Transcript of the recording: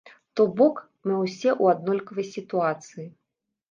То бок, мы ўсе ў аднолькавай сітуацыі.